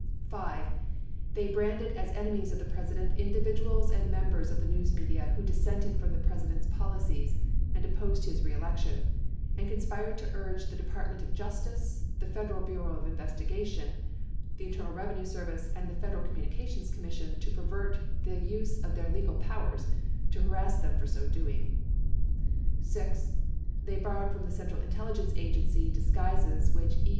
5. They branded as enemies of the President individuals and mem bers of the news media who dissented from the President's policies and opposed his reelection, and conspired to urge the Department of Justice, the Federal Bureau of Investigation, the Internal Revenue Service, and the Federal Communications Commission to pervert the use of their legal powers to harass them for so doing. 6. They borrowed from the Central Intelligence Agency disguises which E.